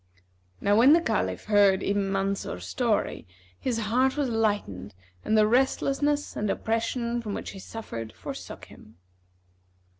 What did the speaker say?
Now when the Caliph heard Ibn Mansur's story his heart was lightened and the restlessness and oppression from which he suffered forsook him.